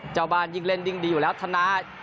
เจ้าบ้านยิ่งเล่นยิ่งดีอยู่แล้วธนา